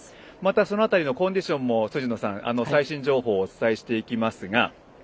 その辺りのコンディションも最新情報をお伝えしていきます。